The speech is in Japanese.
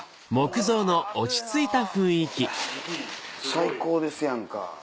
最高ですやんか。